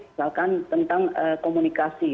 misalkan tentang komunikasi